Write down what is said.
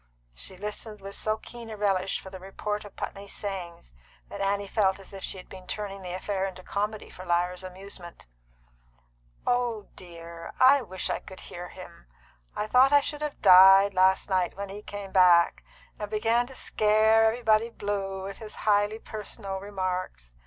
She listened with so keen a relish for the report of Putney's sayings that Annie felt as if she had been turning the affair into comedy for Lyra's amusement. "Oh dear, I wish I could hear him! I thought I should have died last night when he came back, and began to scare everybody blue with his highly personal remarks.